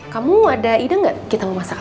kamu ada ide nggak kita mau masak